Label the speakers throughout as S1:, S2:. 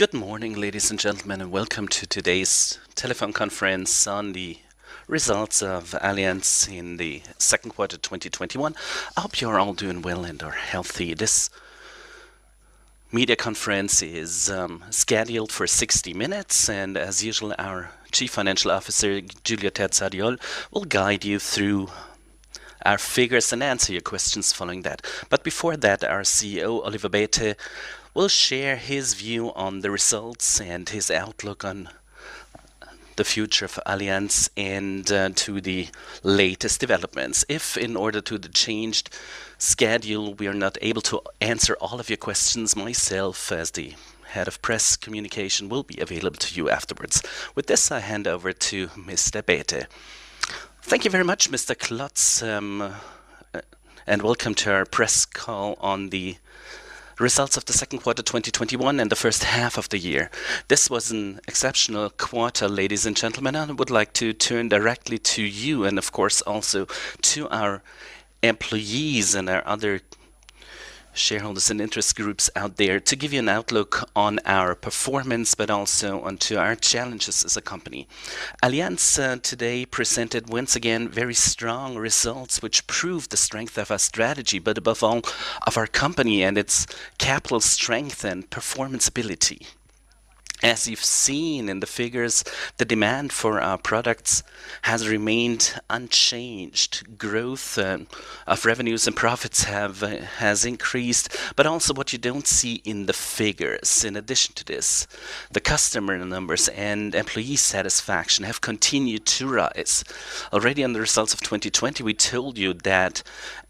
S1: Good morning, ladies and gentlemen, and welcome to today's Telephone Conference on the Results of Allianz in the Second Quarter 2021. I hope you're all doing well and/or healthy. This media conference is scheduled for 60 minutes, and as usual, our Chief Financial Officer, Giulio Terzariol, will guide you through our figures and answer your questions following that. But before that, our CEO, Oliver Bäte, will share his view on the results and his outlook on the future of Allianz and to the latest developments. If, in order to the changed schedule, we are not able to answer all of your questions, myself, as the Head of Press Communication, will be available to you afterwards. With this, I hand over to Mr. Bäte.
S2: Thank you very much, Mr. Klotz, and welcome to our press call on the results of the second quarter 2021 and the first half of the year. This was an exceptional quarter, ladies and gentlemen, and I would like to turn directly to you and, of course, also to our employees and our other shareholders and interest groups out there to give you an outlook on our performance, but also onto our challenges as a company. Allianz today presented once again very strong results, which proved the strength of our strategy, but above all of our company and its capital strength and performance ability. As you've seen in the figures, the demand for our products has remained unchanged. Growth of revenues and profits has increased, but also what you don't see in the figures. In addition to this, the customer numbers and employee satisfaction have continued to rise. Already on the results of 2020, we told you that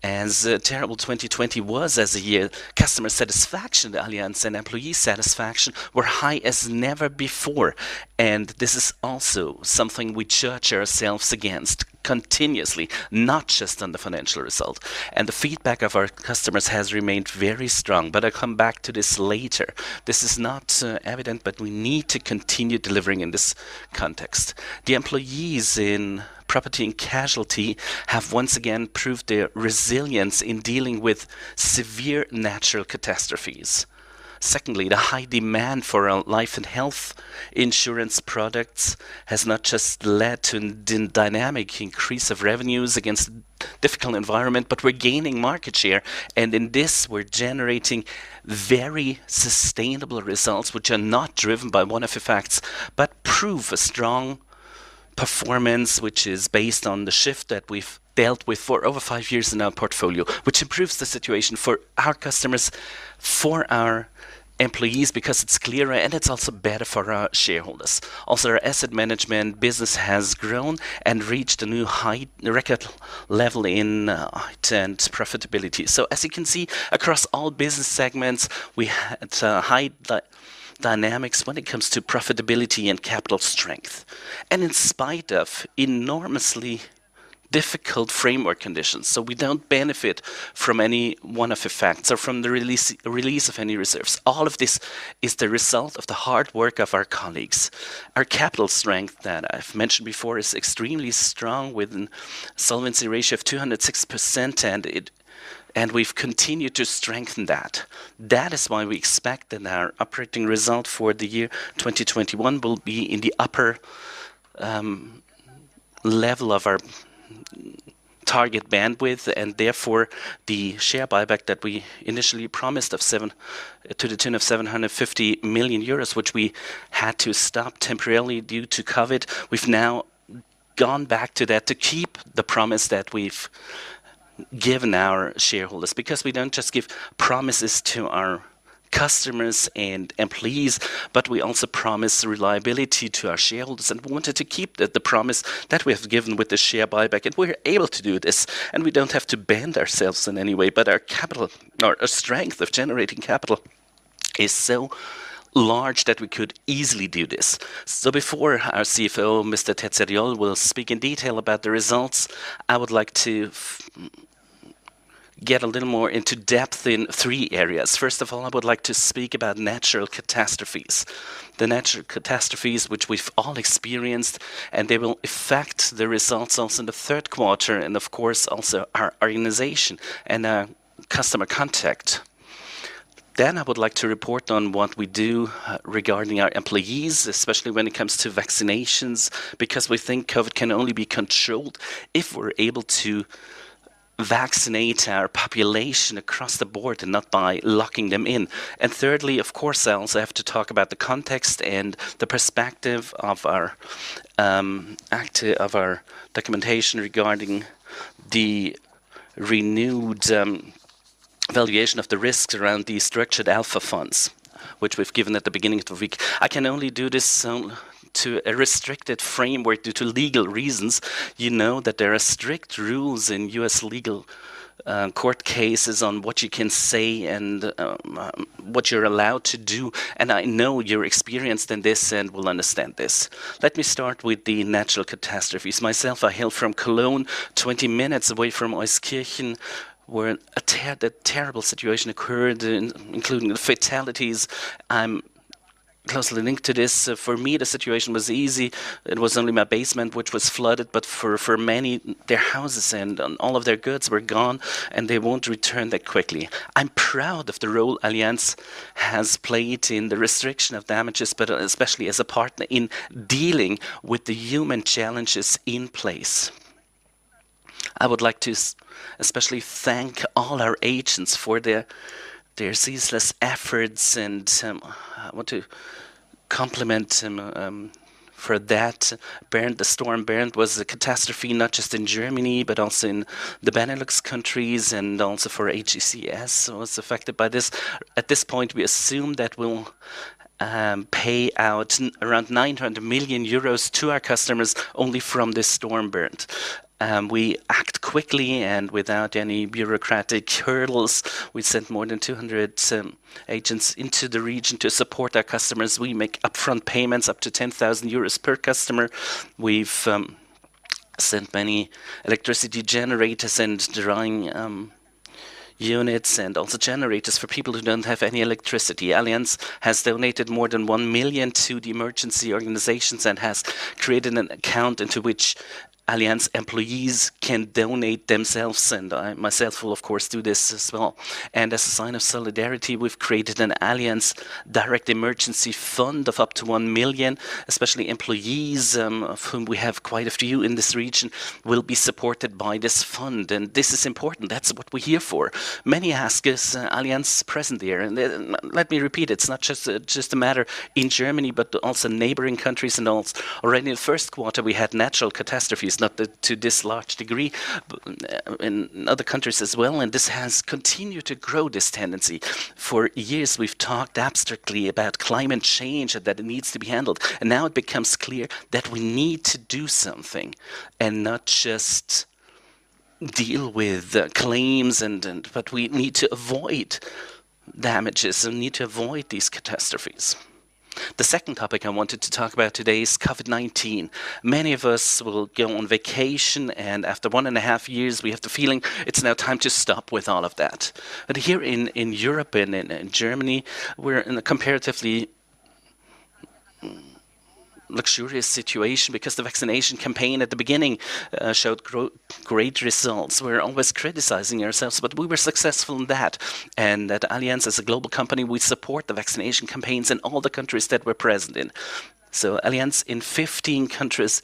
S2: as terrible 2020 was as a year, customer satisfaction at Allianz and employee satisfaction were high as never before. This is also something we judge ourselves against continuously, not just on the financial result. The feedback of our customers has remained very strong, but I'll come back to this later. This is not evident, but we need to continue delivering in this context. The employees in property and casualty have once again proved their resilience in dealing with severe natural catastrophes. Secondly, the high demand for our life and health insurance products has not just led to a dynamic increase of revenues against a difficult environment, but we're gaining market share. And in this, we're generating very sustainable results, which are not driven by one of the facts, but prove a strong performance, which is based on the shift that we've dealt with for over five years in our portfolio, which improves the situation for our customers, for our employees, because it's clearer and it's also better for our shareholders. Also, our asset management business has grown and reached a new high record level in profitability. So, as you can see, across all business segments, we had high dynamics when it comes to profitability and capital strength. And in spite of enormously difficult framework conditions, so we don't benefit from any one of the facts or from the release of any reserves. All of this is the result of the hard work of our colleagues. Our capital strength that I've mentioned before is extremely strong with a solvency ratio of 206%, and we've continued to strengthen that. That is why we expect that our operating result for the year 2021 will be in the upper level of our target bandwidth, and therefore the share buyback that we initially promised of 750 million euros, which we had to stop temporarily due to COVID, we've now gone back to that to keep the promise that we've given our shareholders, because we don't just give promises to our customers and employees, but we also promise reliability to our shareholders. And we wanted to keep the promise that we have given with the share buyback, and we're able to do this, and we don't have to bend ourselves in any way, but our capital or our strength of generating capital is so large that we could easily do this. So, before our CFO, Mr. Terzariol, will speak in detail about the results, I would like to get a little more into depth in three areas. First of all, I would like to speak about natural catastrophes, the natural catastrophes which we've all experienced, and they will affect the results also in the third quarter, and of course, also our organization and our customer contact. Then I would like to report on what we do regarding our employees, especially when it comes to vaccinations, because we think COVID can only be controlled if we're able to vaccinate our population across the board and not by locking them in. And thirdly, of course, I also have to talk about the context and the perspective of our documentation regarding the renewed valuation of the risks around the Structured Alpha funds, which we've given at the beginning of the week. I can only do this to a restricted framework due to legal reasons. You know that there are strict rules in U.S. legal court cases on what you can say and what you're allowed to do, and I know you're experienced in this and will understand this. Let me start with the natural catastrophes. Myself, I hail from Cologne, 20 minutes away from Euskirchen, where a terrible situation occurred, including the fatalities. I'm closely linked to this. For me, the situation was easy. It was only my basement, which was flooded, but for many, their houses and all of their goods were gone, and they won't return that quickly. I'm proud of the role Allianz has played in the restriction of damages, but especially as a partner in dealing with the human challenges in place. I would like to especially thank all our agents for their ceaseless efforts, and I want to compliment for that. Bernd, the storm Bernd was a catastrophe not just in Germany, but also in the Benelux countries, and also for AGCS was affected by this. At this point, we assume that we'll pay out around 900 million euros to our customers only from this storm Bernd. We act quickly and without any bureaucratic hurdles. We sent more than 200 agents into the region to support our customers. We make upfront payments up to 10,000 euros per customer. We've sent many electricity generators and drying units and also generators for people who don't have any electricity. Allianz has donated more than 1 million to the emergency organizations and has created an account into which Allianz employees can donate themselves, and I myself will, of course, do this as well. And as a sign of solidarity, we've created an Allianz Direct emergency fund of up to 1 million, especially employees of whom we have quite a few in this region will be supported by this fund. And this is important. That's what we're here for. Many ask us, Allianz present there. And let me repeat, it's not just a matter in Germany, but also neighboring countries. Already in the first quarter, we had natural catastrophes, not to this large degree, in other countries as well. And this has continued to grow, this tendency. For years, we've talked abstractly about climate change and that it needs to be handled. And now it becomes clear that we need to do something and not just deal with claims, but we need to avoid damages and need to avoid these catastrophes. The second topic I wanted to talk about today is COVID-19. Many of us will go on vacation, and after one and a half years, we have the feeling it's now time to stop with all of that. But here in Europe and in Germany, we're in a comparatively luxurious situation because the vaccination campaign at the beginning showed great results. We're always criticizing ourselves, but we were successful in that. At Allianz, as a global company, we support the vaccination campaigns in all the countries that we're present in. Allianz, in 15 countries,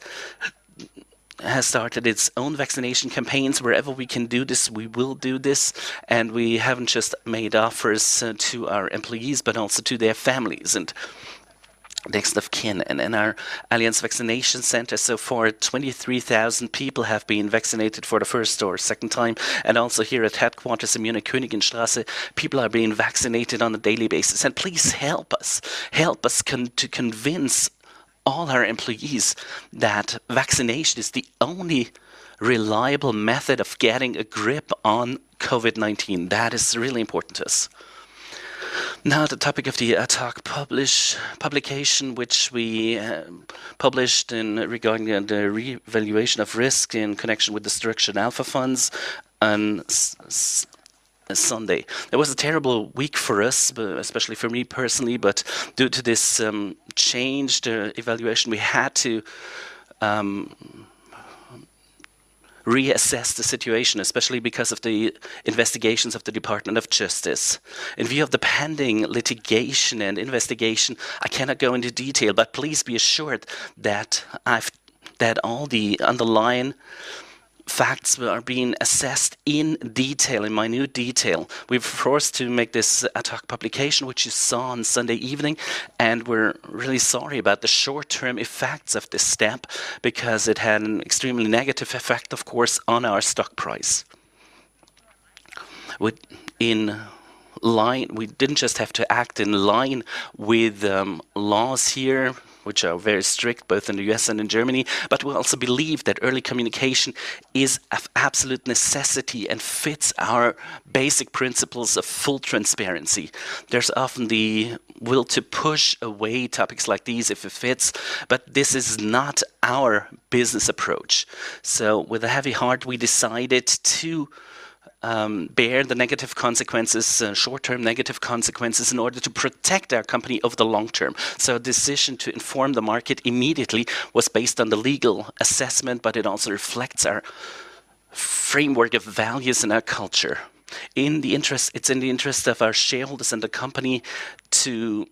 S2: has started its own vaccination campaigns. Wherever we can do this, we will do this. We haven't just made offers to our employees, but also to their families and next of kin. In our Allianz Vaccination Center, so far, 23,000 people have been vaccinated for the first or second time. Also here at headquarters in Munich, Königinstraße, people are being vaccinated on a daily basis. Please help us, help us to convince all our employees that vaccination is the only reliable method of getting a grip on COVID-19. That is really important to us. Now, the topic of the ad hoc publication, which we published regarding the reevaluation of risk in connection with the Structured Alpha funds on Sunday. It was a terrible week for us, especially for me personally, but due to this changed evaluation, we had to reassess the situation, especially because of the investigations of the Department of Justice. In view of the pending litigation and investigation, I cannot go into detail, but please be assured that all the underlying facts are being assessed in detail, in minute detail. We were forced to make this ad hoc publication, which you saw on Sunday evening, and we're really sorry about the short-term effects of this step because it had an extremely negative effect, of course, on our stock price. We didn't just have to act in line with laws here, which are very strict both in the U.S. and in Germany, but we also believe that early communication is of absolute necessity and fits our basic principles of full transparency. There's often the will to push away topics like these if it fits, but this is not our business approach. So, with a heavy heart, we decided to bear the negative consequences, short-term negative consequences in order to protect our company over the long term. So, a decision to inform the market immediately was based on the legal assessment, but it also reflects our framework of values and our culture. It's in the interest of our shareholders and the company to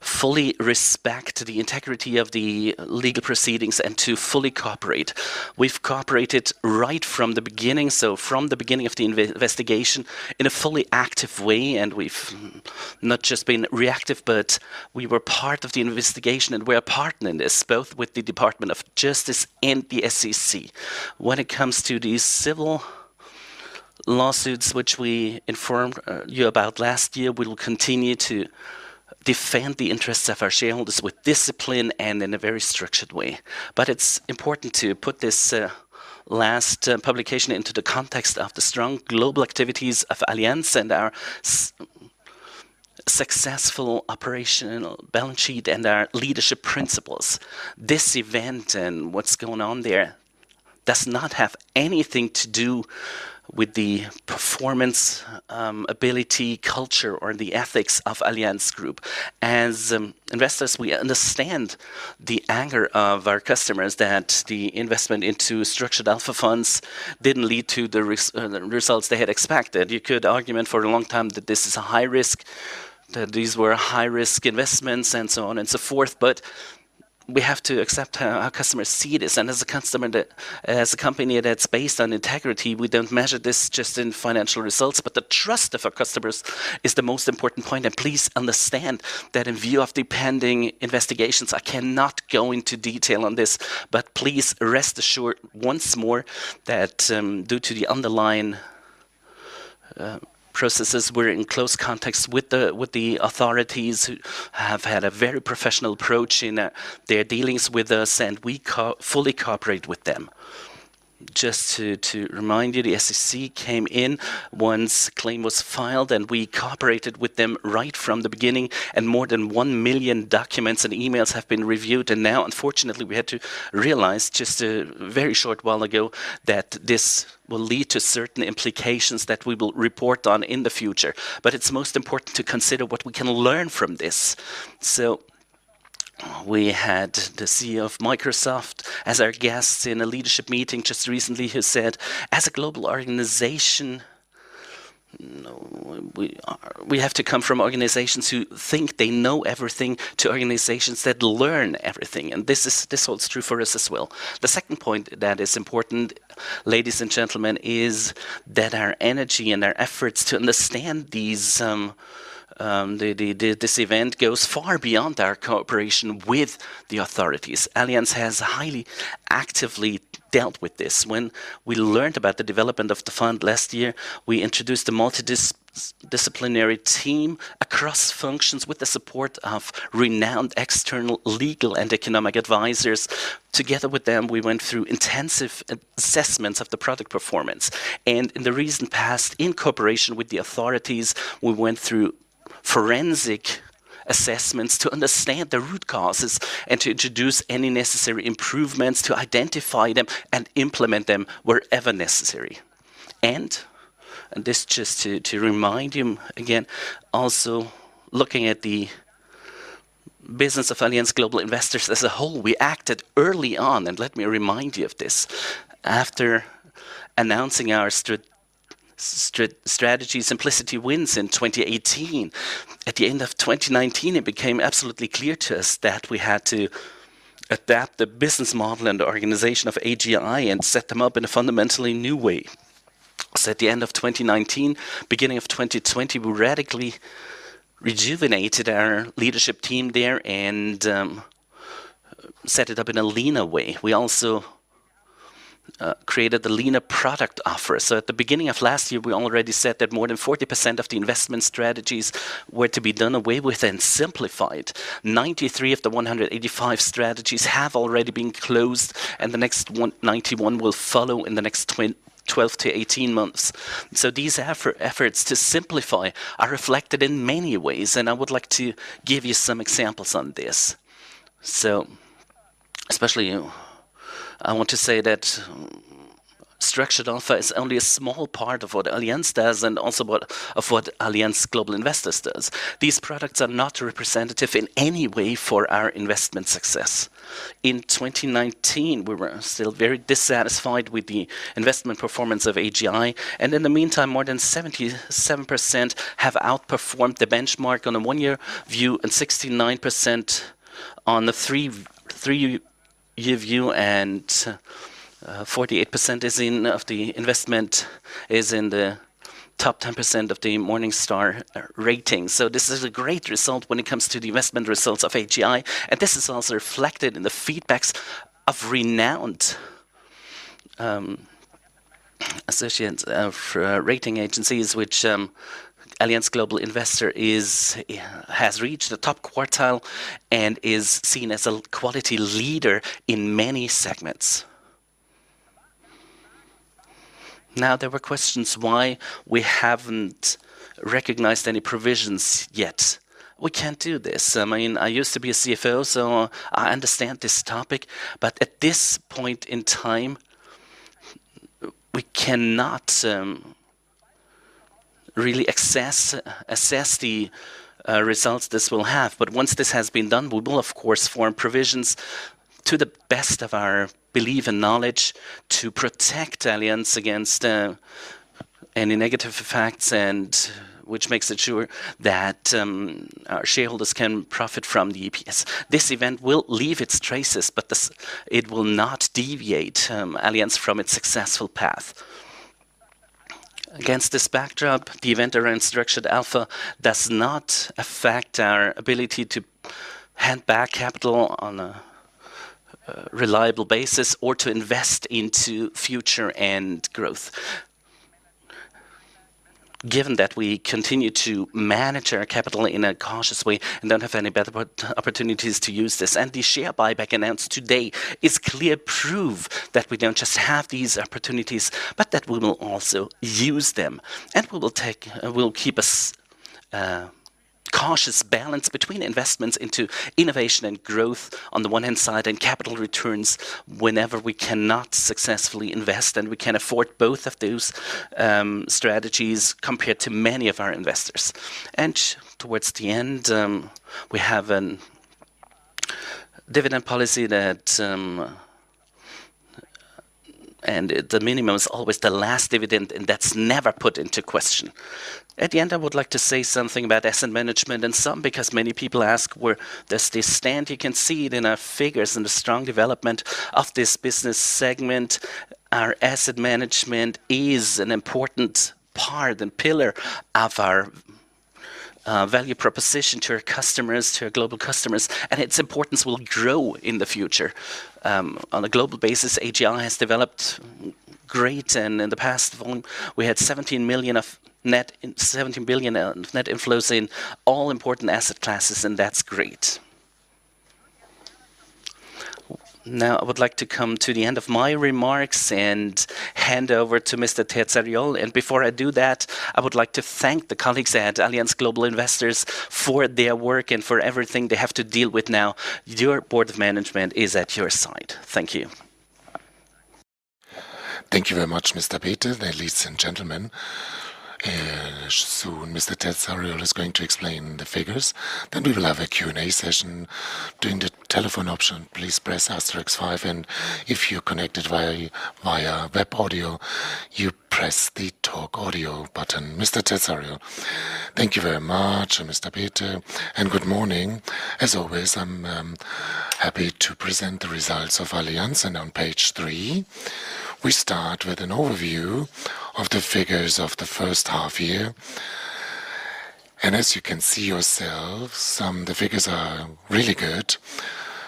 S2: fully respect the integrity of the legal proceedings and to fully cooperate. We've cooperated right from the beginning, so from the beginning of the investigation in a fully active way, and we've not just been reactive, but we were part of the investigation and we're a partner in this, both with the Department of Justice and the SEC. When it comes to these civil lawsuits, which we informed you about last year, we will continue to defend the interests of our shareholders with discipline and in a very structured way. But it's important to put this last publication into the context of the strong global activities of Allianz and our successful operational balance sheet and our leadership principles. This event and what's going on there does not have anything to do with the performance ability, culture, or the ethics of Allianz Group. As investors, we understand the anger of our customers that the investment into Structured Alpha funds didn't lead to the results they had expected. You could argue for a long time that this is a high risk, that these were high risk investments and so on and so forth, but we have to accept our customers see this. As a customer, as a company that's based on integrity, we don't measure this just in financial results, but the trust of our customers is the most important point. Please understand that in view of the pending investigations, I cannot go into detail on this, but please rest assured once more that due to the underlying processes, we're in close context with the authorities who have had a very professional approach in their dealings with us, and we fully cooperate with them. Just to remind you, the SEC came in once a claim was filed, and we cooperated with them right from the beginning, and more than one million documents and emails have been reviewed. And now, unfortunately, we had to realize just a very short while ago that this will lead to certain implications that we will report on in the future, but it's most important to consider what we can learn from this. So, we had the CEO of Microsoft as our guest in a leadership meeting just recently who said, as a global organization, we have to come from organizations who think they know everything to organizations that learn everything. And this holds true for us as well. The second point that is important, ladies and gentlemen, is that our energy and our efforts to understand this event goes far beyond our cooperation with the authorities. Allianz has highly actively dealt with this. When we learned about the development of the fund last year, we introduced a multidisciplinary team across functions with the support of renowned external legal and economic advisors. Together with them, we went through intensive assessments of the product performance. In the recent past, in cooperation with the authorities, we went through forensic assessments to understand the root causes and to introduce any necessary improvements to identify them and implement them wherever necessary. This just to remind you again, also looking at the business of Allianz Global Investors as a whole, we acted early on, and let me remind you of this. After announcing our strategy, Simplicity Wins in 2018, at the end of 2019, it became absolutely clear to us that we had to adapt the business model and the organization of AGI and set them up in a fundamentally new way. At the end of 2019, beginning of 2020, we radically rejuvenated our leadership team there and set it up in a leaner way. We also created the leaner product offer. At the beginning of last year, we already said that more than 40% of the investment strategies were to be done away with and simplified. 93 of the 185 strategies have already been closed, and the next 91 will follow in the next 12 to 18 months. These efforts to simplify are reflected in many ways, and I would like to give you some examples on this. Especially, I want to say that Structured Alpha is only a small part of what Allianz does and also of what Allianz Global Investors does. These products are not representative in any way for our investment success. In 2019, we were still very dissatisfied with the investment performance of AGI, and in the meantime, more than 77% have outperformed the benchmark on a one-year view and 69% on a three-year view, and 48% of the investment is in the top 10% of the Morningstar rating. So, this is a great result when it comes to the investment results of AGI, and this is also reflected in the feedback of renowned rating agencies, which Allianz Global Investors has reached the top quartile and is seen as a quality leader in many segments. Now, there were questions why we haven't recognized any provisions yet. We can't do this. I mean, I used to be a CFO, so I understand this topic, but at this point in time, we cannot really assess the results this will have. But once this has been done, we will, of course, form provisions to the best of our belief and knowledge to protect Allianz against any negative effects, which makes it sure that our shareholders can profit from the EPS. This event will leave its traces, but it will not deviate Allianz from its successful path. Against this backdrop, the event around Structured Alpha does not affect our ability to hand back capital on a reliable basis or to invest into future and growth. Given that we continue to manage our capital in a cautious way and don't have any better opportunities to use this, and the share buyback announced today is clear proof that we don't just have these opportunities, but that we will also use them. We will keep a cautious balance between investments into innovation and growth on the one hand side and capital returns whenever we cannot successfully invest, and we can afford both of those strategies compared to many of our investors. Towards the end, we have a dividend policy that, and the minimum is always the last dividend, and that's never put into question. At the end, I would like to say something about asset management and some because many people ask where does this stand. You can see it in our figures and the strong development of this business segment. Our asset management is an important part and pillar of our value proposition to our customers, to our global customers, and its importance will grow in the future. On a global basis, AGI has developed great, and in the past, we had 17 billion of net inflows in all important asset classes, and that's great. Now, I would like to come to the end of my remarks and hand over to Mr. Terzariol. And before I do that, I would like to thank the colleagues at Allianz Global Investors for their work and for everything they have to deal with now. Your board of management is at your side. Thank you.
S1: Thank you very much, Mr. Bäte, ladies and gentlemen. Soon, Mr. Terzariol is going to explain the figures. Then we will have a Q&A session. During the telephone option, please press asterisk five, and if you're connected via web audio, you press the talk audio button. Mr. Terzariol.
S3: Thank you very much, Mr. Bäte, and good morning. As always, I'm happy to present the results of Allianz, and on page three, we start with an overview of the figures of the first half year, and as you can see yourselves, the figures are really good,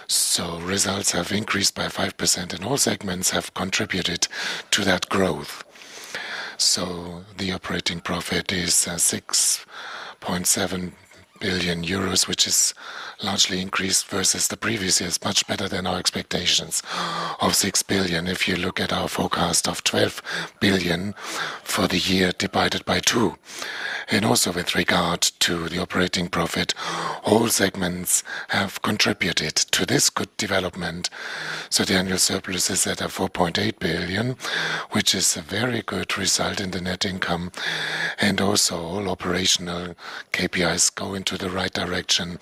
S3: so results have increased by 5%, and all segments have contributed to that growth, so the operating profit is 6.7 billion euros, which is largely increased versus the previous years, much better than our expectations of 6 billion if you look at our forecast of 12 billion for the year divided by two, and also, with regard to the operating profit, all segments have contributed to this good development, so the annual surplus is at 4.8 billion, which is a very good result in the net income, and also all operational KPIs go into the right direction.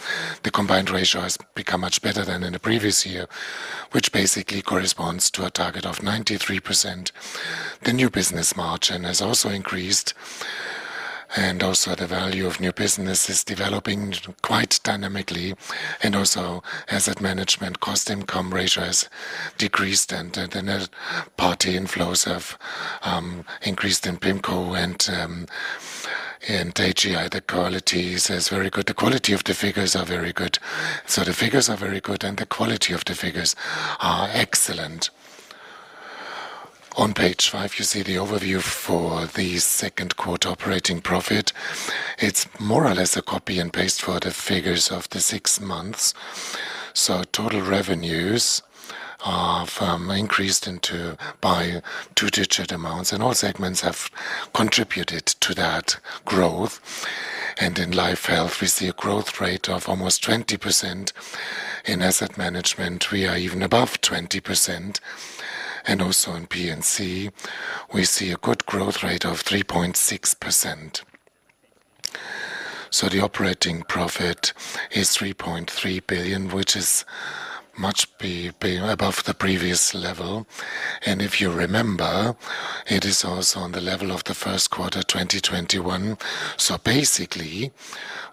S3: The combined ratio has become much better than in the previous year, which basically corresponds to a target of 93%. The new business margin has also increased, and also the value of new business is developing quite dynamically, and also asset management cost-income ratio has decreased, and the third-party net inflows have increased in PIMCO and AGI. The quality is very good. The quality of the figures are very good. So, the figures are very good, and the quality of the figures are excellent. On page five, you see the overview for the second quarter operating profit. It's more or less a copy and paste for the figures of the six months. So, total revenues have increased by two-digit amounts, and all segments have contributed to that growth. And in life health, we see a growth rate of almost 20%. In asset management, we are even above 20%, and also in P&C, we see a good growth rate of 3.6%. So, the operating profit is 3.3 billion, which is much above the previous level. And if you remember, it is also on the level of the first quarter 2021. So, basically,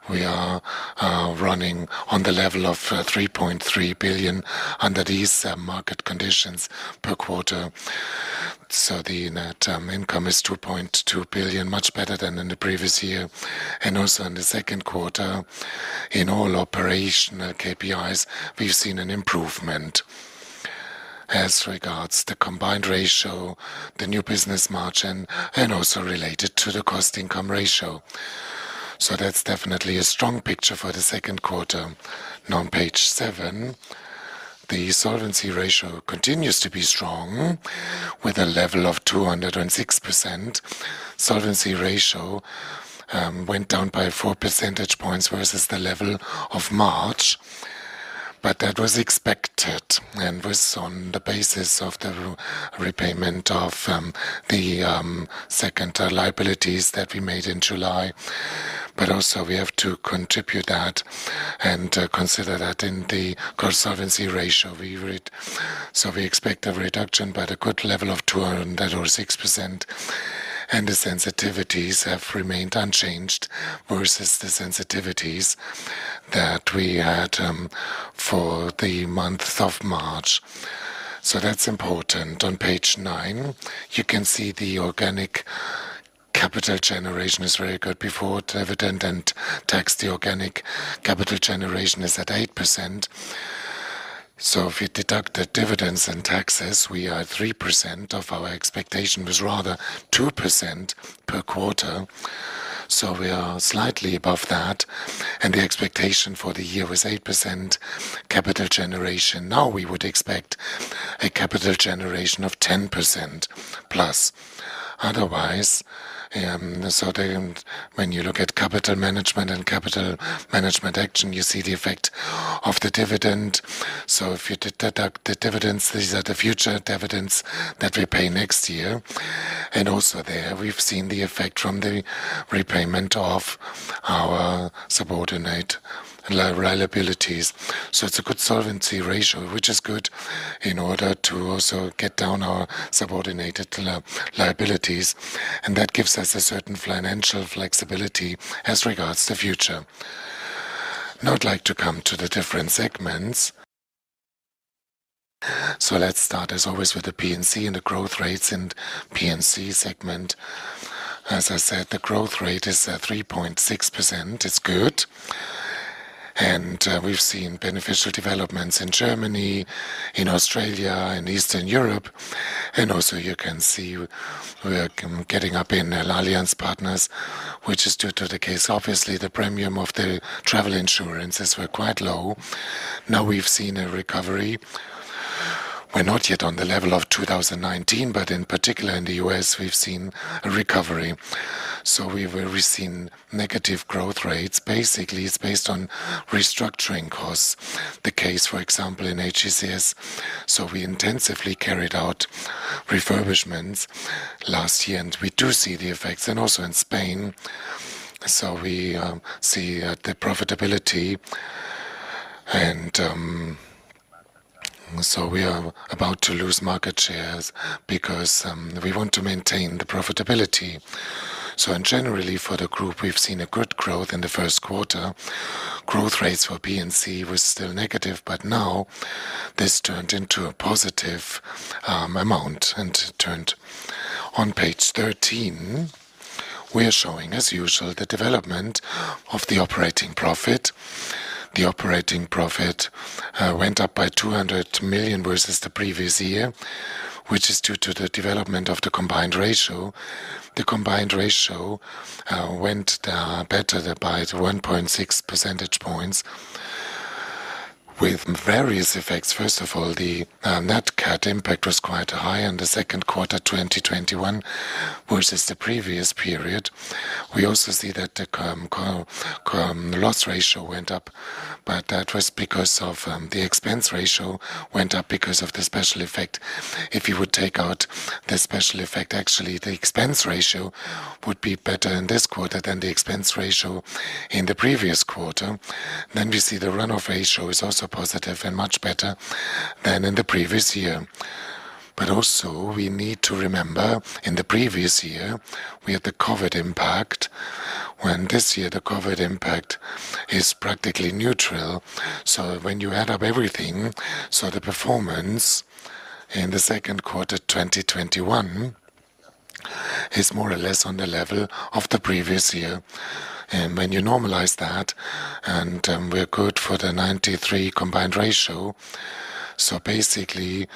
S3: we are running on the level of 3.3 billion under these market conditions per quarter. So, the net income is 2.2 billion, much better than in the previous year. And also in the second quarter, in all operational KPIs, we've seen an improvement as regards the combined ratio, the new business margin, and also related to the cost income ratio. So, that's definitely a strong picture for the second quarter. Now, on page seven, the solvency ratio continues to be strong with a level of 206%. Solvency ratio went down by four percentage points versus the level of March, but that was expected and was on the basis of the repayment of the second liabilities that we made in July. But also, we have to contribute that and consider that in the Solvency ratio we read. So, we expect a reduction to the good level of 206%, and the sensitivities have remained unchanged versus the sensitivities that we had for the month of March. So, that's important. On page nine, you can see the organic capital generation is very good. Before dividend and tax, the organic capital generation is at 8%. So, if we deduct the dividends and taxes, we are 3% above our expectation, which was rather 2% per quarter. So, we are slightly above that, and the expectation for the year was 8% capital generation. Now, we would expect a capital generation of 10% plus. Otherwise so, when you look at capital management and capital management action, you see the effect of the dividend. So, if you deduct the dividends, these are the future dividends that we pay next year. And also there, we've seen the effect from the repayment of our subordinated liabilities. So, it's a good solvency ratio, which is good in order to also get down our subordinated liabilities, and that gives us a certain financial flexibility as regards the future. Now, I'd like to come to the different segments. So, let's start as always with the P&C and the growth rates in the P&C segment. As I said, the growth rate is 3.6%. It's good, and we've seen beneficial developments in Germany, in Australia, in Eastern Europe. And also, you can see we're getting up in Allianz Partners, which is due to the case. Obviously, the premium of the travel insurances were quite low. Now, we've seen a recovery. We're not yet on the level of 2019, but in particular, in the U.S., we've seen a recovery. So, we've seen negative growth rates. Basically, it's based on restructuring costs, the case, for example, in HECS. So, we intensively carried out refurbishments last year, and we do see the effects, and also in Spain. So, we see the profitability, and so we are about to lose market shares because we want to maintain the profitability. So, generally, for the group, we've seen a good growth in the first quarter. Growth rates for P&C were still negative, but now this turned into a positive amount and turned. On page 13, we are showing, as usual, the development of the operating profit. The operating profit went up by 200 million versus the previous year, which is due to the development of the combined ratio. The combined ratio went better by 1.6 percentage points with various effects. First of all, the nat cat impact was quite high in the second quarter 2021 versus the previous period. We also see that the loss ratio went up, but that was because of the expense ratio went up because of the special effect. If you would take out the special effect, actually, the expense ratio would be better in this quarter than the expense ratio in the previous quarter. Then we see the runoff ratio is also positive and much better than in the previous year. But also, we need to remember in the previous year, we had the COVID impact, when this year the COVID impact is practically neutral. So, when you add up everything, the performance in the second quarter 2021 is more or less on the level of the previous year. And when you normalize that, we're good for the 93% combined ratio. So, basically,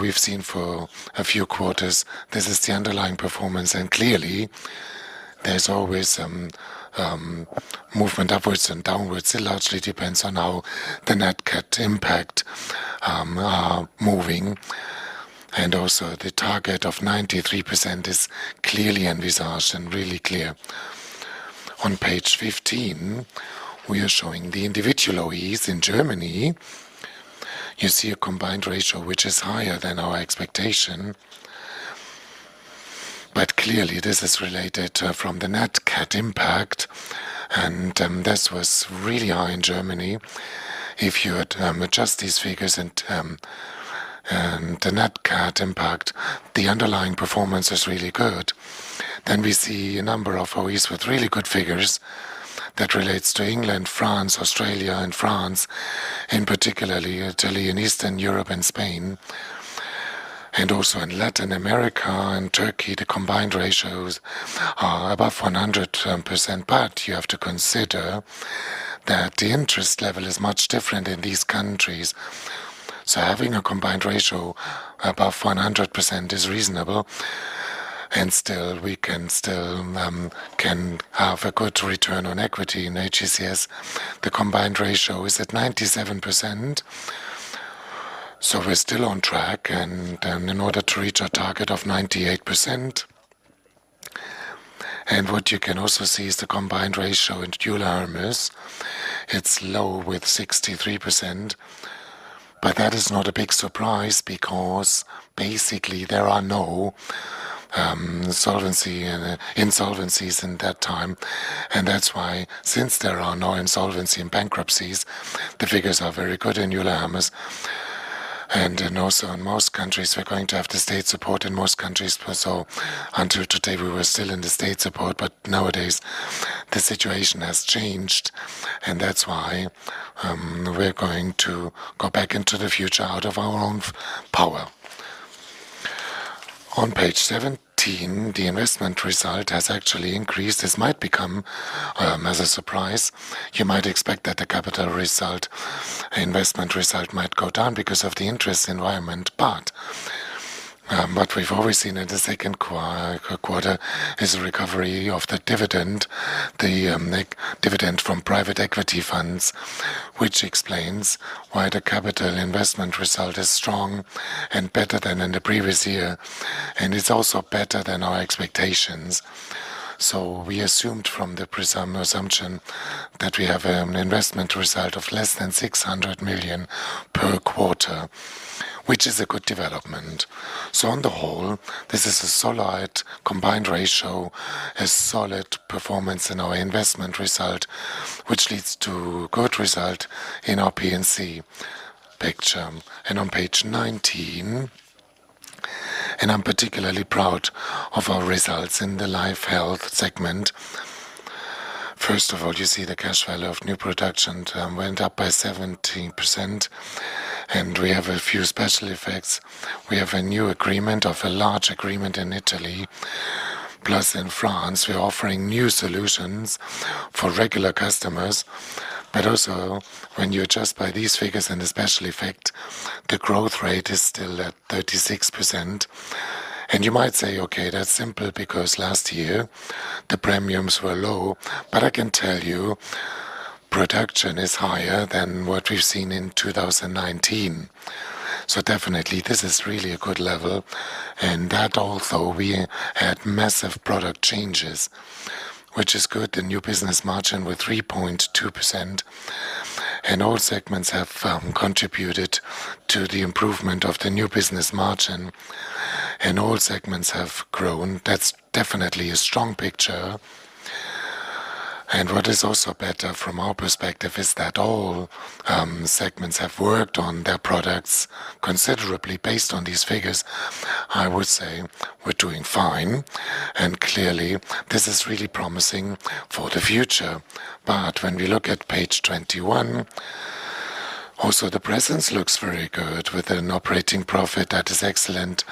S3: we've seen for a few quarters, this is the underlying performance, and clearly, there's always movement upwards and downwards. It largely depends on how the nat cat impacts are moving. And also, the target of 93% is clearly envisaged and really clear. On page 15, we are showing the individual OEs in Germany. You see a combined ratio which is higher than our expectation, but clearly, this is related to the nat cat impact, and this was really high in Germany. If you adjust these figures and the net cut impact, the underlying performance is really good. Then we see a number of OEs with really good figures that relates to England, France, Australia, and France, and particularly Italy and Eastern Europe and Spain. And also in Latin America and Turkey, the combined ratios are above 100%, but you have to consider that the interest level is much different in these countries. So, having a combined ratio above 100% is reasonable, and still, we can have a good return on equity in HECS. The combined ratio is at 97%. So, we're still on track, and in order to reach our target of 98%. And what you can also see is the combined ratio in Euler Hermes. It's low with 63%, but that is not a big surprise because basically, there are no insolvencies in that time. And that's why, since there are no insolvencies and bankruptcies, the figures are very good in Euler Hermes. And also, in most countries, we're going to have the state support. In most countries, until today, we were still in the state support, but nowadays, the situation has changed, and that's why we're going to go back into the future out of our own power. On page 17, the investment result has actually increased. This might come as a surprise. You might expect that the capital result, investment result, might go down because of the interest environment, but what we've always seen in the second quarter is a recovery of the dividend, the dividend from private equity funds, which explains why the capital investment result is strong and better than in the previous year, and it's also better than our expectations. We assumed from the presumed assumption that we have an investment result of less than 600 million per quarter, which is a good development. On the whole, this is a solid combined ratio, a solid performance in our investment result, which leads to a good result in our P&C picture. On page 19, I'm particularly proud of our results in the life health segment. First of all, you see the cash value of new production went up by 17%, and we have a few special effects. We have a new agreement of a large agreement in Italy, plus in France. We're offering new solutions for regular customers, but also, when you adjust by these figures and the special effect, the growth rate is still at 36%. You might say, "Okay, that's simple because last year, the premiums were low," but I can tell you, production is higher than what we've seen in 2019. So, definitely, this is really a good level, and that also, we had massive product changes, which is good. The new business margin was 3.2%, and all segments have contributed to the improvement of the new business margin, and all segments have grown. That's definitely a strong picture. And what is also better from our perspective is that all segments have worked on their products considerably based on these figures. I would say we're doing fine, and clearly, this is really promising for the future. When we look at page 21, also, the P&C looks very good with an operating profit that is excellent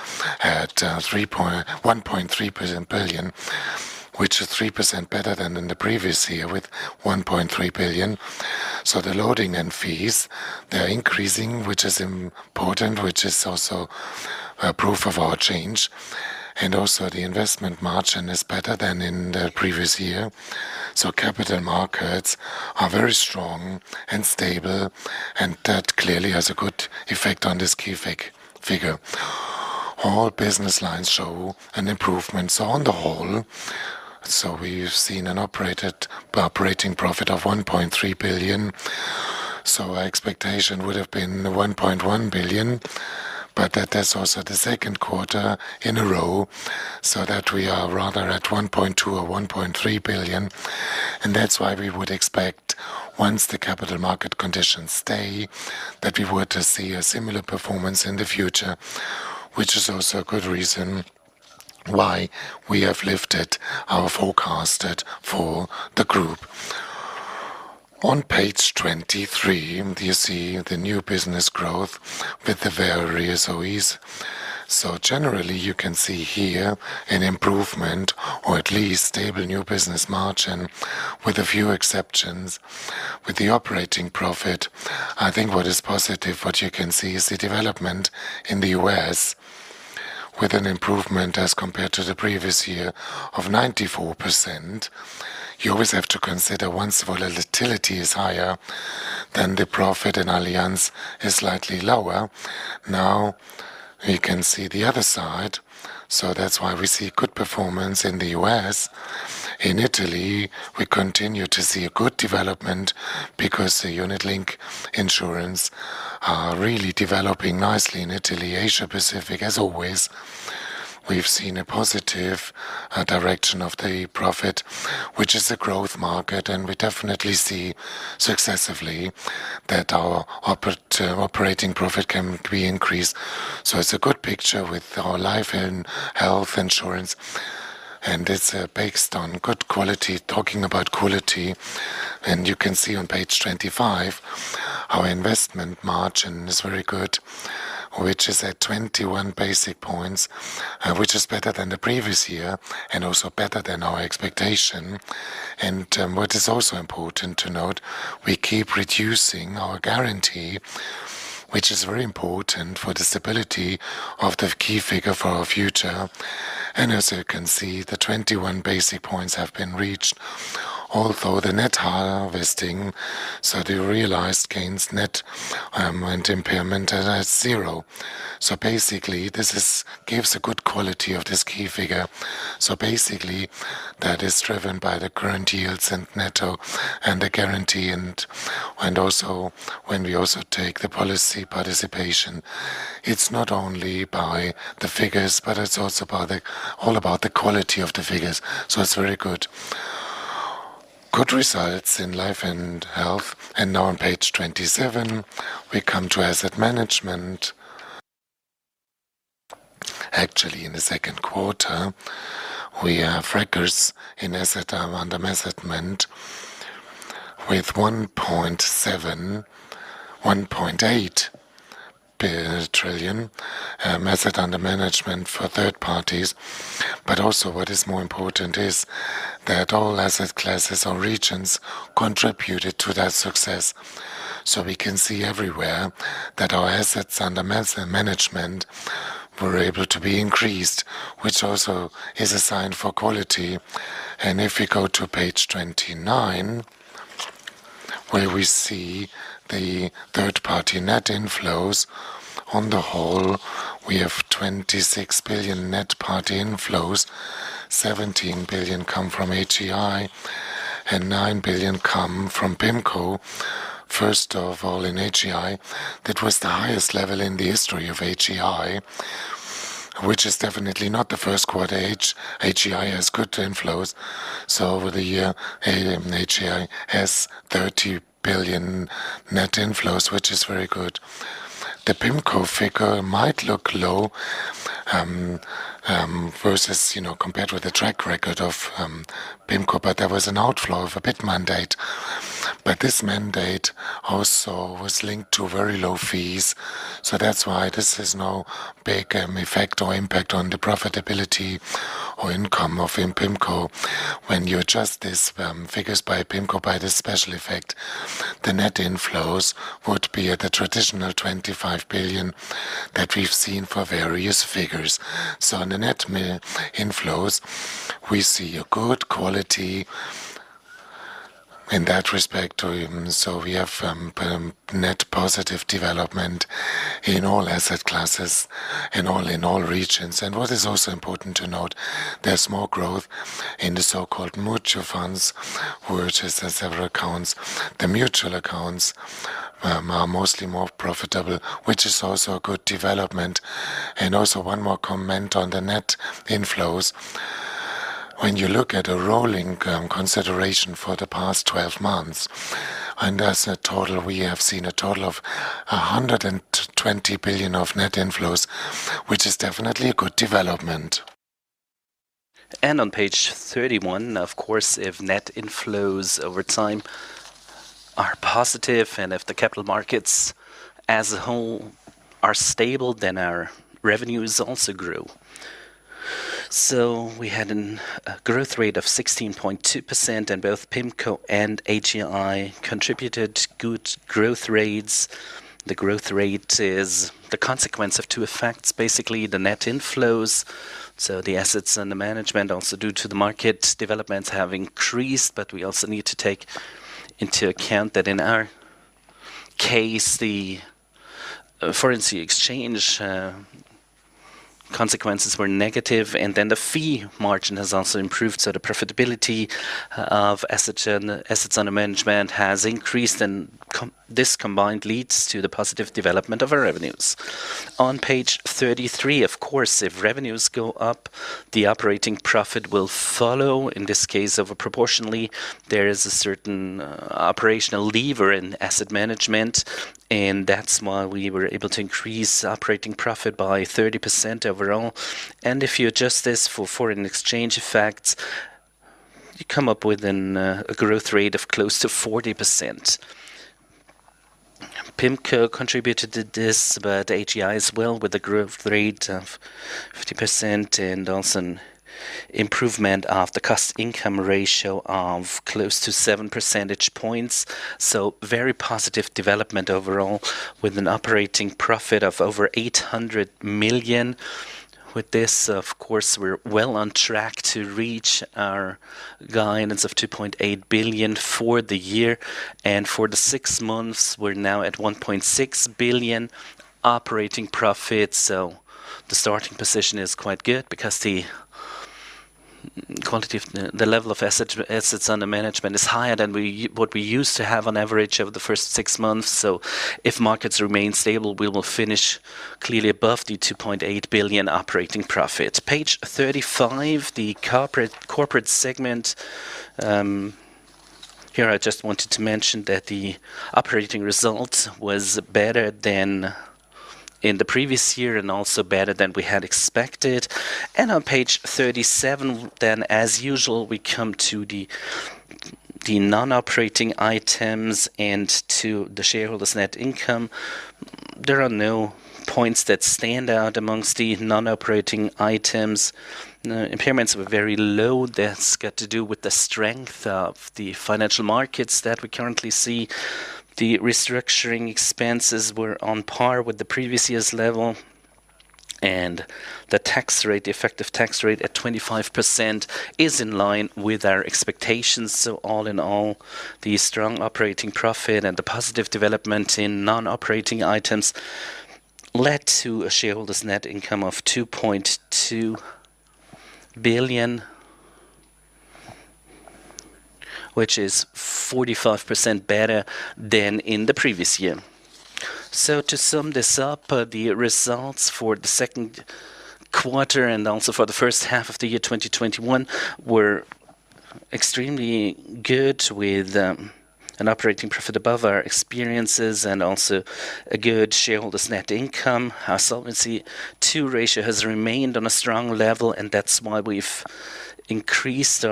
S3: at 1.3 billion, which is 3% better than in the previous year with 1.3 billion. The loading and fees, they're increasing, which is important, which is also proof of our change. The investment margin is better than in the previous year. Capital markets are very strong and stable, and that clearly has a good effect on this key figure. All business lines show an improvement. On the whole, we've seen an operating profit of 1.3 billion. Our expectation would have been 1.1 billion, but that's also the second quarter in a row, so that we are rather at 1.2 billion or 1.3 billion. We would expect, once the capital market conditions stay, that we would see a similar performance in the future, which is also a good reason why we have lifted our forecast for the group. On page 23, you see the new business growth with the various OEs. Generally, you can see here an improvement or at least stable new business margin with a few exceptions. With the operating profit, I think what is positive, what you can see is the development in the U.S. with an improvement as compared to the previous year of 94%. You always have to consider once volatility is higher than the profit in Allianz is slightly lower. Now, we can see the other side. That's why we see good performance in the U.S. In Italy, we continue to see a good development because the unit-linked insurance are really developing nicely in Italy, Asia Pacific. As always, we've seen a positive direction of the profit, which is a growth market, and we definitely see successively that our operating profit can be increased. It's a good picture with our life and health insurance, and it's based on good quality, talking about quality, and you can see on page 25, our investment margin is very good, which is at 21 basis points, which is better than the previous year and also better than our expectation. What is also important to note, we keep reducing our guarantee, which is very important for the stability of the key figure for our future. As you can see, the 21 basis points have been reached, although the net harvesting, so the realized gains net of impairments, at zero. Basically, this gives a good quality of this key figure. Basically, that is driven by the current yields and net and the guarantee. Also, when we also take the policy participation, it's not only by the figures, but it's also all about the quality of the figures. It's very good. Good results in life and health. Now, on page 27, we come to asset management. Actually, in the second quarter, we have records in assets under management with 1.8 trillion assets under management for third parties. But also, what is more important is that all asset classes or regions contributed to that success. We can see everywhere that our assets under management were able to be increased, which also is a sign for quality. If we go to page 29, where we see the third-party net inflows, on the whole, we have 26 billion third-party net inflows. 17 billion come from AGI, and 9 billion come from PIMCO. First of all, in AGI, that was the highest level in the history of AGI, which is definitely not the first quarter AGI has good inflows. So, over the year, AGI has 30 billion net inflows, which is very good. The PIMCO figure might look low versus compared with the track record of PIMCO, but there was an outflow of a bid mandate. But this mandate also was linked to very low fees. So, that's why this is no big effect or impact on the profitability or income of PIMCO. When you adjust these figures by PIMCO by the special effect, the net inflows would be at the traditional 25 billion that we've seen for various figures. So, on the net inflows, we see a good quality in that respect. So, we have net positive development in all asset classes and in all regions. What is also important to note? There's more growth in the so-called mutual funds, which is several accounts. The mutual accounts are mostly more profitable, which is also a good development. And also, one more comment on the net inflows. When you look at a rolling consideration for the past 12 months, under a total, we have seen a total of 120 billion of net inflows, which is definitely a good development. And on page 31, of course, if net inflows over time are positive and if the capital markets as a whole are stable, then our revenues also grow. So, we had a growth rate of 16.2%, and both PIMCO and AGI contributed good growth rates. The growth rate is the consequence of two effects, basically the net inflows. The assets under management, also due to the market developments, have increased, but we also need to take into account that in our case, the foreign exchange consequences were negative, and then the fee margin has also improved. The profitability of assets under management has increased, and this combined leads to the positive development of our revenues. On page 33, of course, if revenues go up, the operating profit will follow. In this case, overproportionately, there is a certain operational lever in asset management, and that's why we were able to increase operating profit by 30% overall. If you adjust this for foreign exchange effects, you come up with a growth rate of close to 40%. PIMCO contributed to this, but AGI as well with a growth rate of 50% and also an improvement of the cost-income ratio of close to 7 percentage points. So, very positive development overall with an operating profit of over 800 million. With this, of course, we're well on track to reach our guidance of 2.8 billion for the year. And for the six months, we're now at 1.6 billion operating profit. So, the starting position is quite good because the level of assets under management is higher than what we used to have on average over the first six months. So, if markets remain stable, we will finish clearly above the 2.8 billion operating profit. Page 35, the corporate segment. Here, I just wanted to mention that the operating result was better than in the previous year and also better than we had expected. And on page 37, then as usual, we come to the non-operating items and to the shareholders' net income. There are no points that stand out amongst the non-operating items. The impairments were very low. That's got to do with the strength of the financial markets that we currently see. The restructuring expenses were on par with the previous year's level, and the effective tax rate at 25% is in line with our expectations, so all in all, the strong operating profit and the positive development in non-operating items led to a shareholders' net income of 2.2 billion, which is 45% better than in the previous year, so to sum this up, the results for the second quarter and also for the first half of the year 2021 were extremely good with an operating profit above our experiences and also a good shareholders' net income. Our Solvency II ratio has remained on a strong level, and that's why we've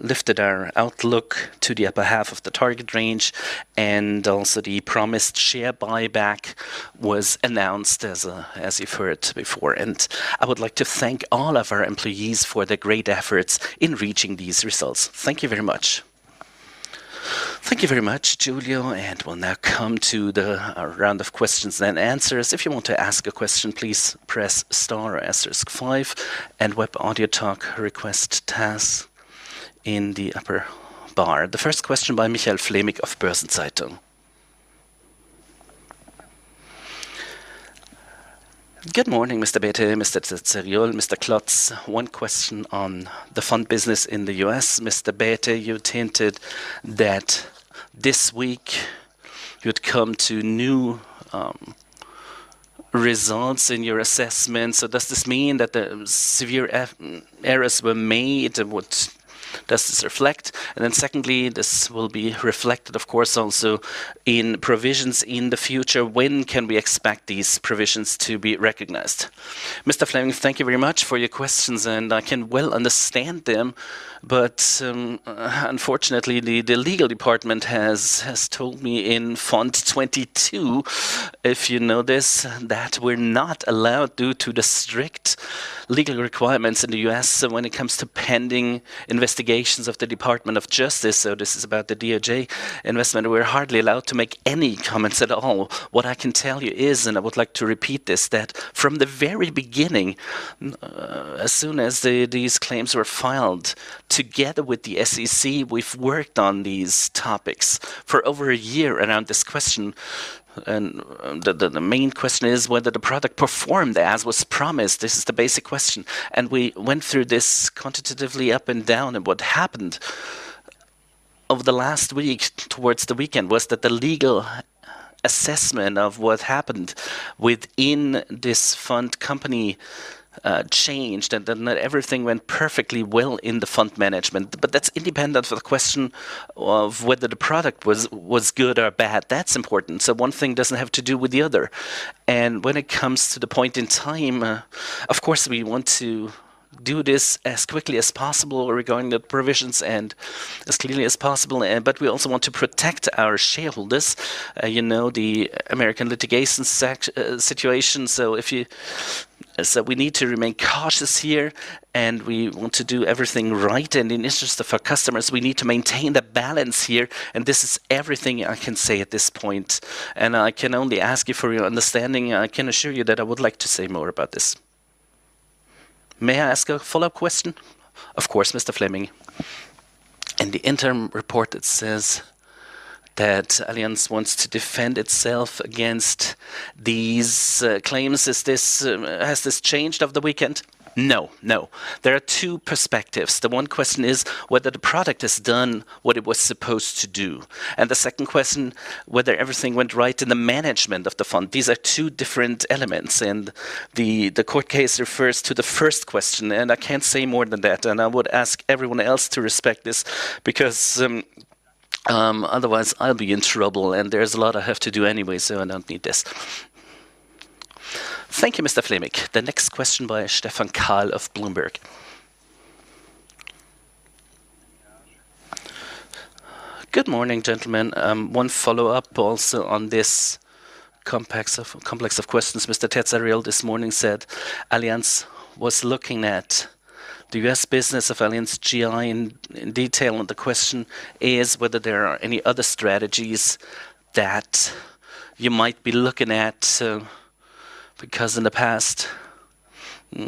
S3: lifted our outlook to the upper half of the target range. And also, the promised share buyback was announced, as you've heard before. And I would like to thank all of our employees for the great efforts in reaching these results. Thank you very much.
S1: Thank you very much, Giulio. And we'll now come to the round of questions and answers. If you want to ask a question, please press star or asterisk five and web audio talk request task in the upper bar. The first question by Michael Fleming of Börsen-Zeitung.
S4: Good morning, Mr. Bäte, Mr. Terzariol, Mr. Klotz. One question on the fund business in the U.S. Mr. Bäte, you hinted that this week you'd come to new results in your assessment. So, does this mean that severe errors were made? What does this reflect? And then secondly, this will be reflected, of course, also in provisions in the future. When can we expect these provisions to be recognized?
S2: Mr. Fleming, thank you very much for your questions, and I can well understand them. But unfortunately, the legal department has told me in Fund 22, if you know this, that we're not allowed due to the strict legal requirements in the U.S. when it comes to pending investigations of the Department of Justice. So, this is about the DOJ investment. We're hardly allowed to make any comments at all. What I can tell you is, and I would like to repeat this, that from the very beginning, as soon as these claims were filed together with the SEC, we've worked on these topics for over a year around this question, and the main question is whether the product performed as was promised. This is the basic question, and we went through this quantitatively up and down. And what happened over the last week towards the weekend was that the legal assessment of what happened within this fund company changed and that not everything went perfectly well in the fund management. But that's independent of the question of whether the product was good or bad. That's important. So, one thing doesn't have to do with the other. And when it comes to the point in time, of course, we want to do this as quickly as possible regarding the provisions and as clearly as possible. But we also want to protect our shareholders, the American litigation situation. So, we need to remain cautious here, and we want to do everything right. And in the interest of our customers, we need to maintain the balance here. And this is everything I can say at this point. And I can only ask you for your understanding. I can assure you that I would like to say more about this.
S5: May I ask a follow-up question?
S2: Of course, Mr. Fleming.
S5: In the interim report, it says that Allianz wants to defend itself against these claims. Has this changed over the weekend?
S2: No, no. There are two perspectives. The one question is whether the product has done what it was supposed to do. And the second question, whether everything went right in the management of the fund. These are two different elements. And the court case refers to the first question, and I can't say more than that. And I would ask everyone else to respect this because otherwise, I'll be in trouble. And there's a lot I have to do anyway, so I don't need this.
S1: Thank you, Mr. Fleming. The next question by Stephan Kahl of Bloomberg.
S6: Good morning, gentlemen. One follow-up also on this complex of questions. Mr. Terzariol this morning said Allianz was looking at the US business of Allianz GI in detail, and the question is whether there are any other strategies that you might be looking at. Because in the past, as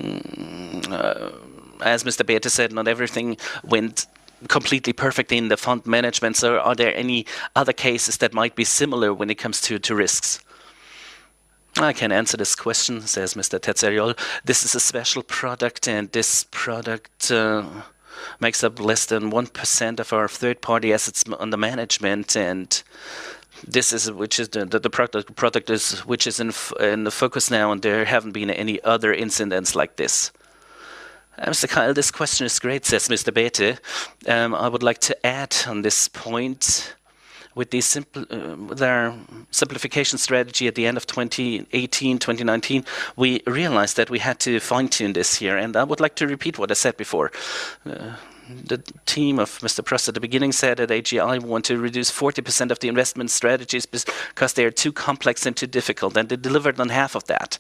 S6: Mr. Bäte said, not everything went completely perfectly in the fund management. So, are there any other cases that might be similar when it comes to risks?
S3: I can answer this question, says Mr. Terzariol. This is a special product, and this product makes up less than 1% of our third-party assets under management. And this is the product which is in the focus now, and there haven't been any other incidents like this.
S2: Mr. Kahl, this question is great, says Mr. Bäte. I would like to add on this point. With the simplification strategy at the end of 2018, 2019, we realized that we had to fine-tune this year. And I would like to repeat what I said before. The team of Mr. Pross at the beginning said that AGI want to reduce 40% of the investment strategies because they are too complex and too difficult, and they delivered on half of that.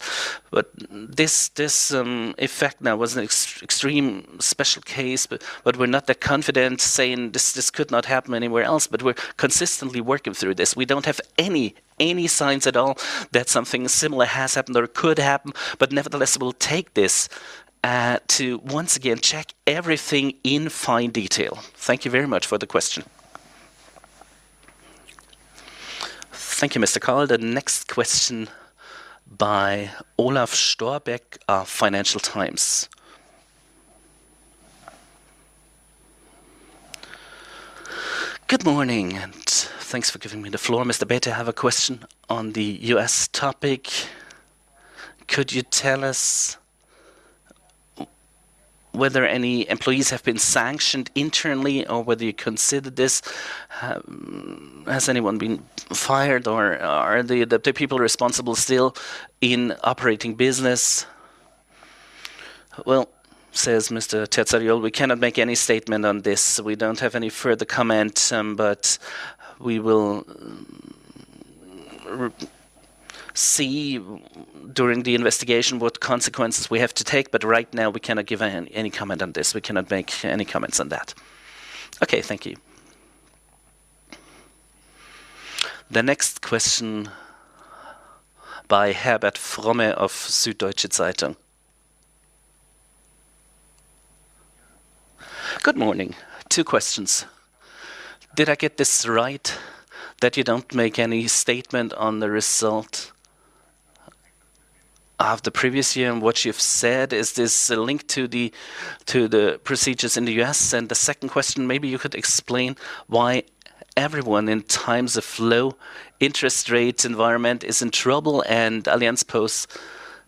S2: But this effect now was an extreme special case, but we're not that confident saying this could not happen anywhere else. But we're consistently working through this. We don't have any signs at all that something similar has happened or could happen. But nevertheless, we'll take this to once again check everything in fine detail. Thank you very much for the question.
S1: Thank you, Mr. Kahl. The next question by Olaf Storbeck of Financial Times.
S7: Good morning, and thanks for giving me the floor. Mr. Bäte, I have a question on the U.S. topic. Could you tell us whether any employees have been sanctioned internally or whether you consider this? Has anyone been fired, or are the people responsible still in operating business?
S3: Says Mr. Terzariol, we cannot make any statement on this. We don't have any further comment, but we will see during the investigation what consequences we have to take. But right now, we cannot give any comment on this. We cannot make any comments on that.
S7: Okay, thank you.
S1: The next question by Herbert Fromme of Süddeutsche Zeitung.
S8: Good morning. Two questions. Did I get this right that you don't make any statement on the result of the previous year and what you've said? Is this linked to the procedures in the U.S.? And the second question, maybe you could explain why everyone in times of low interest rate environment is in trouble and Allianz posts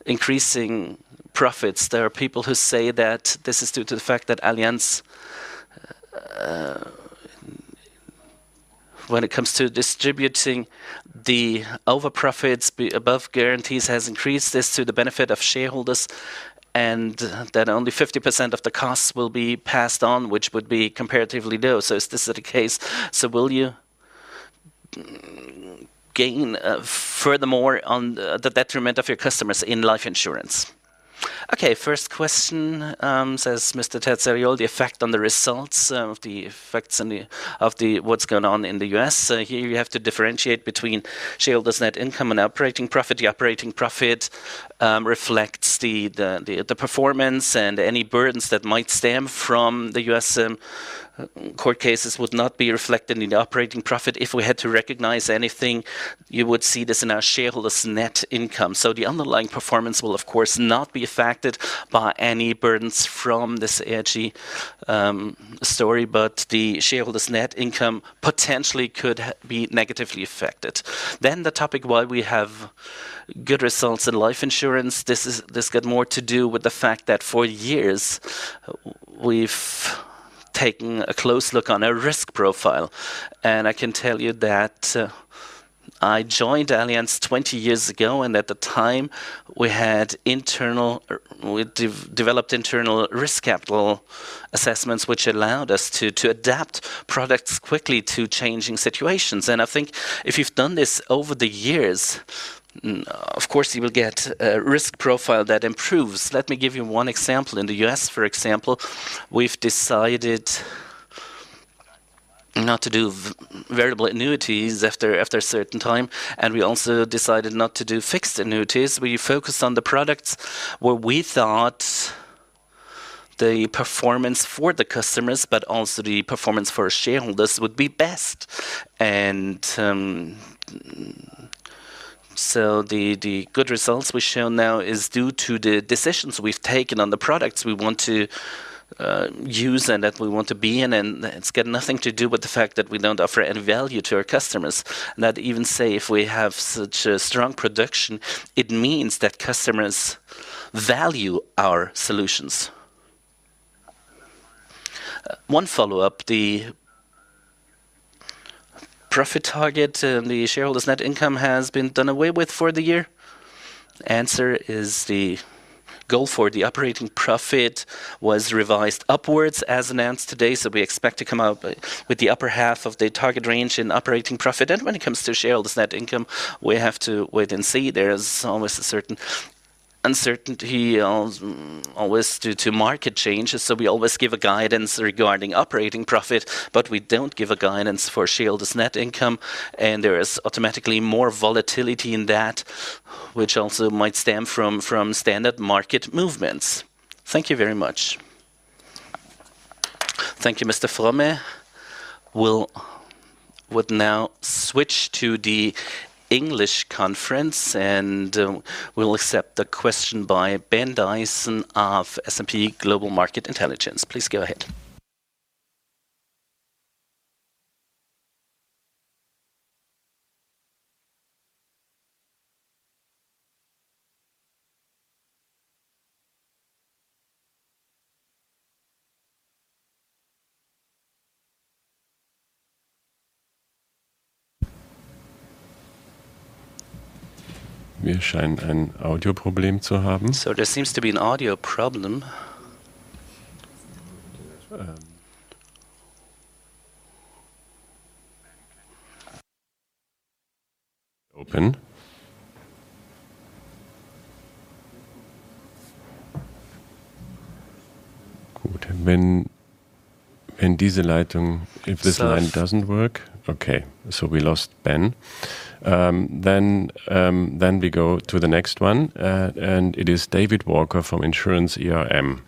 S8: increasing profits. There are people who say that this is due to the fact that Allianz, when it comes to distributing the overprofits above guarantees, has increased this to the benefit of shareholders and that only 50% of the costs will be passed on, which would be comparatively low. So, is this the case? So, will you gain furthermore on the detriment of your customers in life insurance?
S3: Okay, first question, says Mr. Terzariol, the effect on the results of the effects of what's going on in the U.S. Here, you have to differentiate between shareholders' net income and operating profit. The operating profit reflects the performance, and any burdens that might stem from the U.S. court cases would not be reflected in the operating profit. If we had to recognize anything, you would see this in our shareholders' net income, so the underlying performance will, of course, not be affected by any burdens from this AGI story, but the shareholders' net income potentially could be negatively affected, then the topic why we have good results in life insurance, this got more to do with the fact that for years we've taken a close look on our risk profile, and I can tell you that I joined Allianz 20 years ago, and at the time, we had developed internal risk capital assessments, which allowed us to adapt products quickly to changing situations, and I think if you've done this over the years, of course, you will get a risk profile that improves. Let me give you one example. In the U.S., for example, we've decided not to do variable annuities after a certain time, and we also decided not to do fixed annuities. We focused on the products where we thought the performance for the customers, but also the performance for shareholders would be best. And so, the good results we show now is due to the decisions we've taken on the products we want to use and that we want to be in. And it's got nothing to do with the fact that we don't offer any value to our customers. And that even say, if we have such a strong protection, it means that customers value our solutions.
S8: One follow-up, the profit target and the shareholders' net income has been done away with for the year
S3: Answer is the goal for the operating profit was revised upwards as announced today. So, we expect to come out with the upper half of the target range in operating profit. And when it comes to shareholders' net income, we have to wait and see. There is always a certain uncertainty due to market changes. So, we always give a guidance regarding operating profit, but we don't give a guidance for shareholders' net income. And there is automatically more volatility in that, which also might stem from standard market movements. Thank you very much.
S1: Thank you, Mr. Fromme. We would now switch to the English conference, and we'll accept the question by Ben Dyson of S&P Global Market Intelligence. Please go ahead. Wir scheinen ein Audio-Problem zu haben. So, there seems to be an audio problem. Open. Gut, wenn diese Leitung if this line doesn't work, okay, so we lost Ben. Then we go to the next one, and it is David Walker from InsuranceERM. Okay.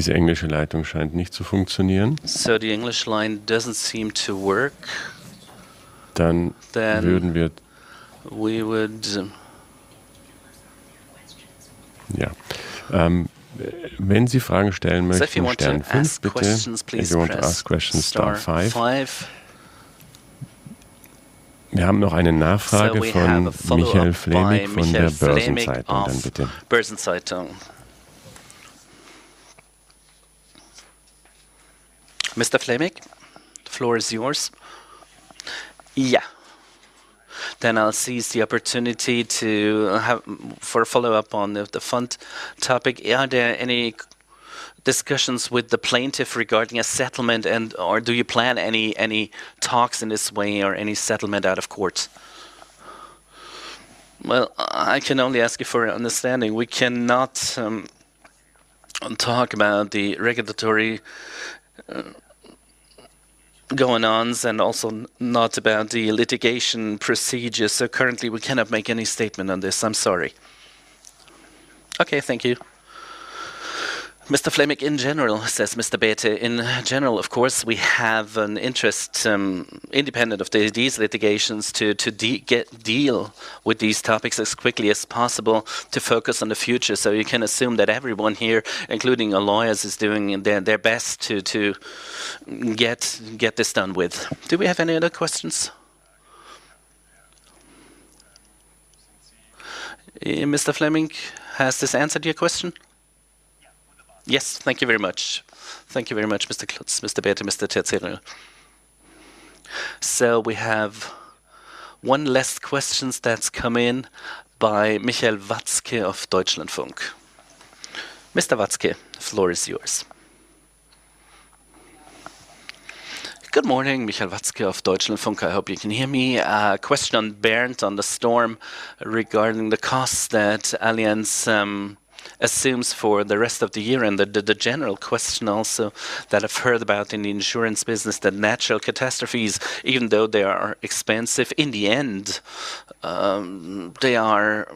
S1: Diese englische Leitung scheint nicht zu funktionieren. So, the English line doesn't seem to work. Dann würden wir ja. Wenn Sie Fragen stellen möchten, stellen Sie bitte. If you want to ask questions, Star five. Wir haben noch eine Nachfrage von Michael Fleming von der Börsen-Zeitung. Dann bitte. Mr. Fleming, the floor is yours.
S4: Yeah. Then I'll seize the opportunity to have a follow-up on the fund topic. Are there any discussions with the plaintiff regarding a settlement, and do you plan any talks in this way or any settlement out of court?
S3: Well, I can only ask you for understanding. We cannot talk about the regulatory going on and also not about the litigation procedures. So, currently, we cannot make any statement on this. I'm sorry.
S5: Okay, thank you.
S2: Mr. Fleming, in general, says Mr. Bäte. In general, of course, we have an interest independent of these litigations to deal with these topics as quickly as possible to focus on the future. So, you can assume that everyone here, including our lawyers, is doing their best to get this done with. Do we have any other questions?
S1: Mr. Fleming, has this answered your question?
S5: Yes, thank you very much. Thank you very much, Mr. Klotz, Mr. Bäte, Mr. Terzariol.
S1: So, we have one last question that's come in by Michael Watzke of Deutschlandfunk. Mr. Watzke, the floor is yours.
S9: Good morning, Michael Watzke of Deutschlandfunk. I hope you can hear me. A question on Bernd, on the storm regarding the cost that Allianz assumes for the rest of the year and the general question also that I've heard about in the insurance business, that natural catastrophes, even though they are expensive, in the end, they are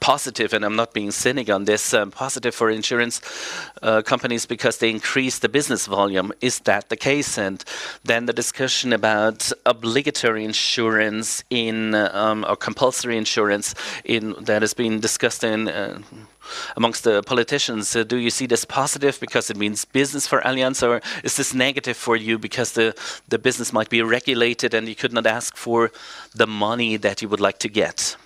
S9: positive, and I'm not being cynical on this, positive for insurance companies because they increase the business volume. Is that the case? And then the discussion about obligatory insurance in or compulsory insurance that has been discussed amongst the politicians. Do you see this positive because it means business for Allianz, or is this negative for you because the business might be regulated and you could not ask for the money that you would like to get?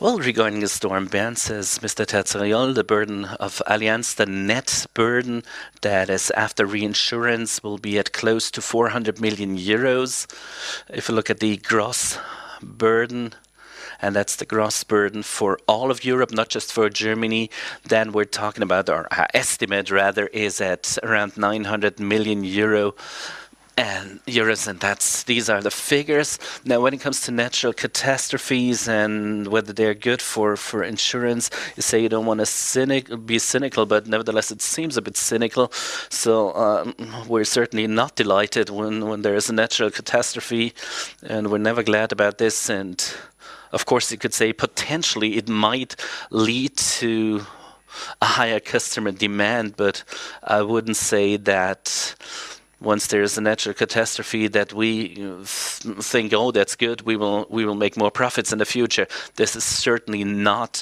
S3: Regarding the storm, Bernd says, Mr. Terzariol, the burden of Allianz, the net burden that is after reinsurance will be at close to 400 million euros. If you look at the gross burden, and that's the gross burden for all of Europe, not just for Germany, then we're talking about our estimate rather is at around 900 million euro, and these are the figures. Now, when it comes to natural catastrophes and whether they're good for insurance, you say you don't want to be cynical, but nevertheless, it seems a bit cynical, so we're certainly not delighted when there is a natural catastrophe, and we're never glad about this, and of course, you could say potentially it might lead to a higher customer demand, but I wouldn't say that once there is a natural catastrophe that we think, "Oh, that's good, we will make more profits in the future." This is certainly not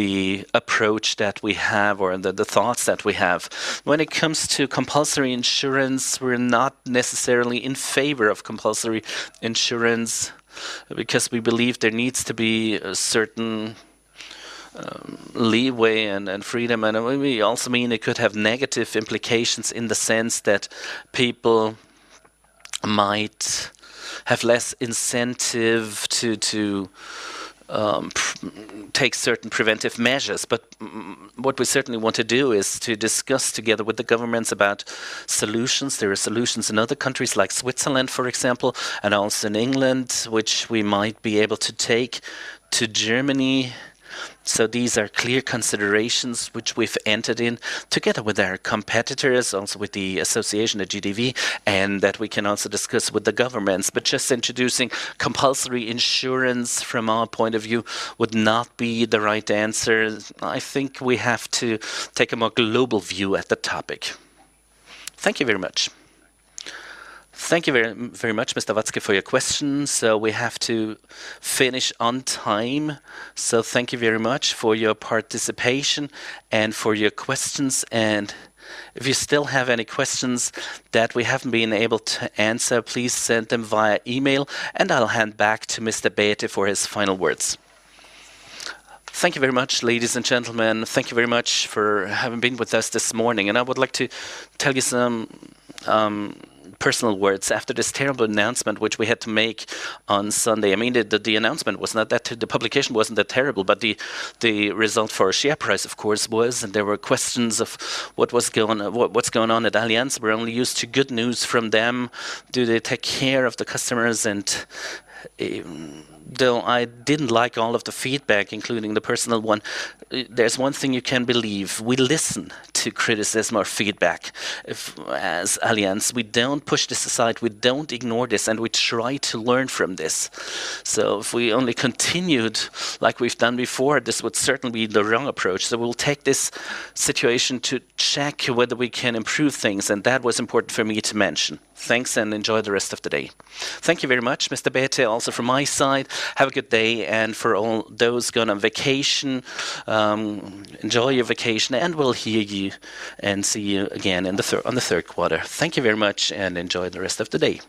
S3: the approach that we have or the thoughts that we have. When it comes to compulsory insurance, we're not necessarily in favor of compulsory insurance because we believe there needs to be a certain leeway and freedom. And we also mean it could have negative implications in the sense that people might have less incentive to take certain preventive measures. But what we certainly want to do is to discuss together with the governments about solutions. There are solutions in other countries like Switzerland, for example, and also in England, which we might be able to take to Germany. So, these are clear considerations which we've entered in together with our competitors, also with the association of GDV, and that we can also discuss with the governments. But just introducing compulsory insurance from our point of view would not be the right answer. I think we have to take a more global view at the topic. Thank you very much.
S1: Thank you very much, Mr. Watzke, for your questions. So, we have to finish on time. So, thank you very much for your participation and for your questions. And if you still have any questions that we haven't been able to answer, please send them via email, and I'll hand back to Mr. Bäte for his final words.
S2: Thank you very much, ladies and gentlemen. Thank you very much for having been with us this morning. And I would like to tell you some personal words after this terrible announcement, which we had to make on Sunday. I mean, the announcement was not that the publication wasn't that terrible, but the result for share price, of course, was, and there were questions of what was going on at Allianz. We're only used to good news from them. Do they take care of the customers? And though I didn't like all of the feedback, including the personal one, there's one thing you can believe. We listen to criticism or feedback as Allianz. We don't push this aside. We don't ignore this, and we try to learn from this. So, if we only continued like we've done before, this would certainly be the wrong approach. So, we'll take this situation to check whether we can improve things. And that was important for me to mention. Thanks and enjoy the rest of the day.
S1: Thank you very much, Mr. Bäte, also from my side. Have a good day. And for all those going on vacation, enjoy your vacation, and we'll hear you and see you again on the third quarter. Thank you very much and enjoy the rest of the day.